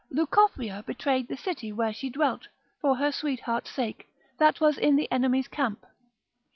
Leucophria betrayed the city where she dwelt, for her sweetheart's sake, that was in the enemies' camp.